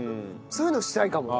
そういうのしたいかも。